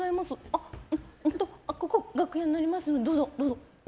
あ、あ、ここ楽屋になりますのでどうぞ、どうぞ。